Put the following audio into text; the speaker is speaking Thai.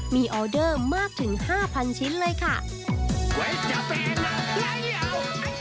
มีออเดอร์มากถึง๕๐๐๐ชิ้นเลยค่ะ